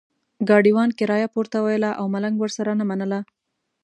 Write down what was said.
ګاډیوان کرایه پورته ویله او ملنګ ورسره نه منله.